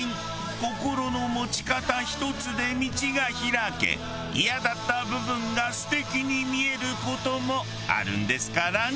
心の持ち方ひとつで道が開けイヤだった部分が素敵に見える事もあるんですからね。